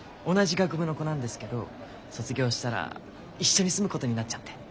同じ学部の子なんですけど卒業したら一緒に住むことになっちゃって。